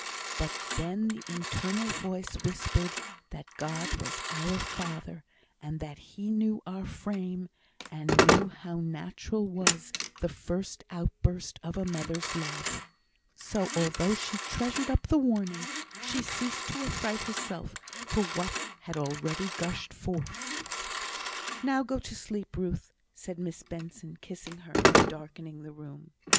But then the internal voice whispered that God was "Our Father," and that He knew our frame, and knew how natural was the first outburst of a mother's love; so, although she treasured up the warning, she ceased to affright herself for what had already gushed forth. "Now go to sleep, Ruth," said Miss Benson, kissing her, and darkening the room.